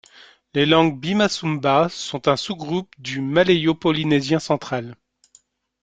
Les langues bima-sumba sont un sous-groupe du malayo-polynésien central.